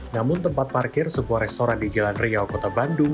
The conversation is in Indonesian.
namun tempat parkir sebuah restoran di jalan riau kota bandung